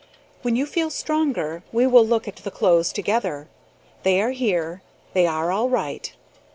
When you feel stronger we will look at the clothes together. They are here. They are all right.